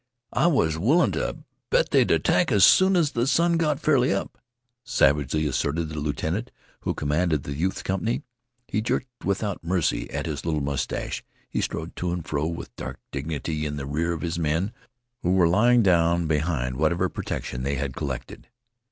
"I was willin' t' bet they'd attack as soon as th' sun got fairly up," savagely asserted the lieutenant who commanded the youth's company. He jerked without mercy at his little mustache. He strode to and fro with dark dignity in the rear of his men, who were lying down behind whatever protection they had collected.